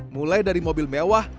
mulai dari mobil mewah